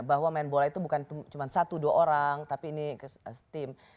bahwa main bola itu bukan cuma satu dua orang tapi ini tim